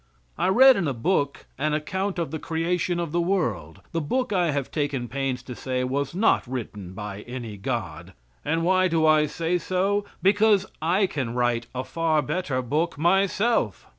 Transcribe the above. I read in a book an account of the creation of the world. The book I have taken pains to say was not written by any God. And why do I say so? Because I can write a far better book myself.